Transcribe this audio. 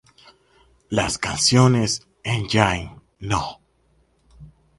Las canciones "Engine No.